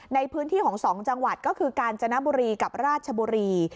ในพื้นที่ของ๒จังหวัดก็คือกาญจนบุรีกับราชบุรี